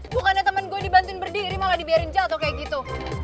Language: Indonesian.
bukannya temen gue dibantuin berdiri malah dibiarin jatuh kayak gitu